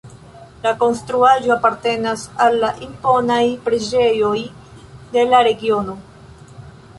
La konstruaĵo apartenas al la imponaj preĝejoj de la regiono.